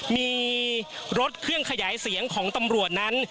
มีรถเครื่องขยายเสียงของตำรวจนั้น